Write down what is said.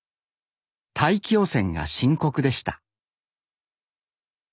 大気汚染が深刻でした。